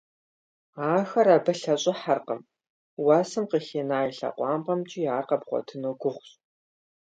Ахэр абы лъэщIыхьэркъым, уэсым къыхина и лъакъуапIэмкIи ар къэбгъуэтыну гугъущ.